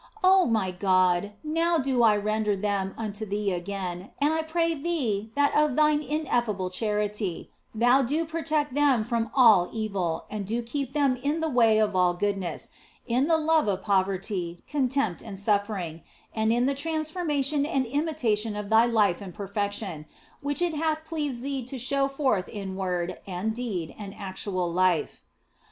Oh my God, now do I render them unto Thee again, and I pray Thee that of Thine ineffable charity Thou do protect them from all evil and do keep them in the way of all goodness, in the love of poverty, contempt, and suffering, and in the transformation and imitation of Thy life and perfection, which it hath pleased Thee to show forth in word and deed and actual life.